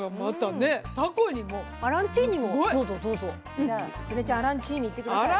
じゃあ初音ちゃんアランチーニいって下さい。